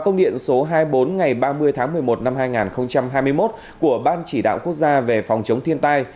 công điện số hai mươi bốn ngày ba mươi tháng một mươi một năm hai nghìn hai mươi một của ban chỉ đạo quốc gia về phòng chống thiên tai